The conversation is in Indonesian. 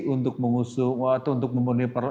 untuk mengusung atau untuk memenuhi